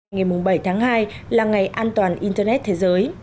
ngày bảy tháng hai là ngày an toàn internet thế giới